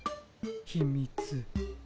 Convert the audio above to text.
ひみつ。